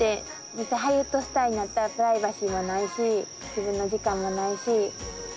実際ハリウッドスターになったらプライバシーもないし自分の時間もないし。